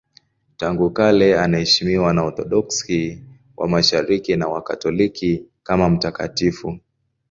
Tangu kale anaheshimiwa na Waorthodoksi wa Mashariki na Wakatoliki kama mtakatifu.